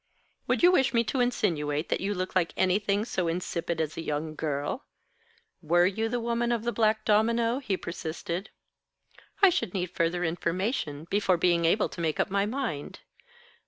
"Would you wish me to insinuate that you look like anything so insipid as a young girl? Were you the woman of the black domino?" he persisted. "I should need further information, before being able to make up my mind.